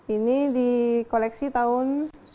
ini di koleksi tahun seribu sembilan ratus sebelas